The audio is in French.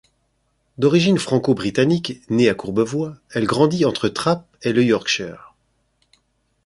D’origine franco-britannique, née à Courbevoie, elle grandit entre Trappes et le Yorkshire.